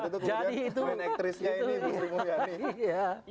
aktrisnya ini ibu sri mulyani